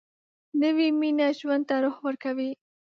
نوې مینه ژوند ته روح ورکوي